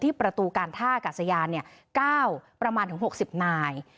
ประตูการท่ากาศยาน๙ประมาณถึง๖๐นาย